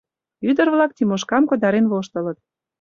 Ӱдыр-влак Тимошкам койдарен воштылыт.